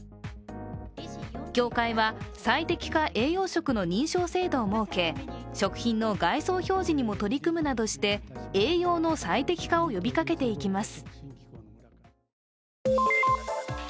協会は、最適化栄養食の認証制度を設け食品の外装表示にも取り組むなどとして栄養の最適化を呼びかけていきます。